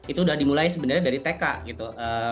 itu udah dimulai sebenarnya dari tk gitu